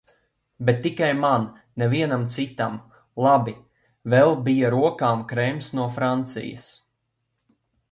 Bet tikai man, nevienam citam. Labi. Vēl bija rokām krēms no Francijas.